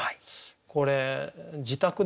これ自宅でね